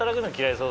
そう